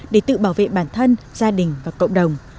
để tự bảo vệ bản thân gia đình và cộng đồng